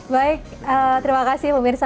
baik terima kasih pemirsa